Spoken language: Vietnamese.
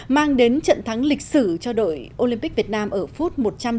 mang đến trận thắng lịch sử cho đội olympic việt nam ở phút một trăm linh tám